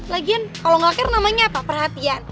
lagian kalo gak care namanya apa perhatian